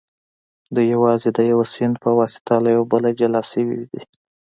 دوی یوازې د یوه سیند په واسطه له یو بله جلا شوي دي